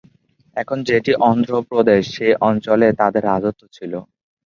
এখন যেটি অন্ধ্রপ্রদেশ, সেই অঞ্চলে তাদের রাজত্ব ছিল।